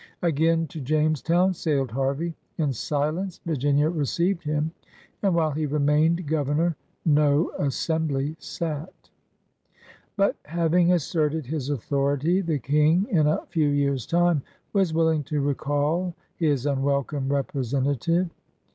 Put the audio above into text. Again to Jamestown sailed Harvey. In silence Virginia received |iim, and while he remained Governor no Assembly sat. But having asserted his authority, the King in a few years' time was willing to recall his imwelcome representative.